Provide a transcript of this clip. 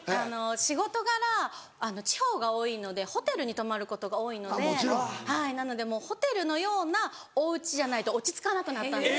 仕事柄地方が多いのでホテルに泊まることが多いのでなのでもうホテルのようなおうちじゃないと落ち着かなくなったんです。